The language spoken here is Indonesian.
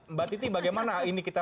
mbak titi bagaimana ini kita